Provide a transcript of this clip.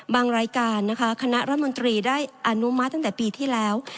รายการนะคะคณะรัฐมนตรีได้อนุมัติตั้งแต่ปีที่แล้ว